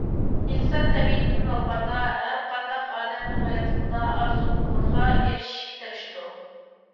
ئىنسان تەبىئىتىدىن ئالغاندا، ھەرقانداق ئادەم ھاياتلىقىدا ئارزۇ قىلغىنىغا ئېرىشىشكە تىرىشىدۇ.